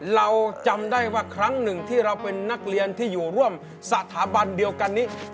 เราจำได้ว่าครั้งหนึ่งที่เราเป็นนักเรียนที่อยู่ร่วมสถาบันเดียวกันนี้